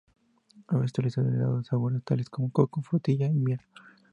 A veces se utiliza helado de sabores tales como coco, frutilla y miel.